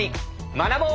学ぼう！